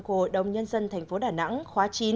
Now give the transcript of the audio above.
của đồng nhân dân tp đà nẵng khóa chín